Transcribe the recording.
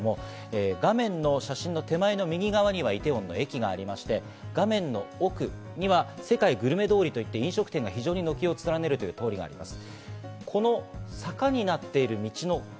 画面の写真の手前の右側にはイテウォンの駅があって画面の奥には世界グルメ通りといって飲食店が軒を連ねる通りがあります。